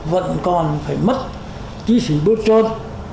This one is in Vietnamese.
vẫn còn phải mất chi phí bôi trơn